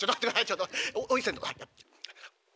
ちょっと『おい船頭』から。